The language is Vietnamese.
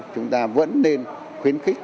chúng ta vẫn nên khuyến khích